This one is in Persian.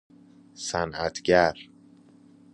صنعتگر